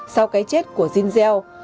sau cái chết của zinzel